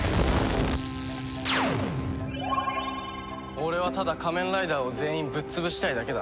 俺はただ仮面ライダーを全員ぶっ潰したいだけだ。